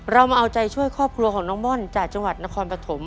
เรามาเอาใจช่วยครอบครัวของน้องม่อนจากจังหวัดนครปฐม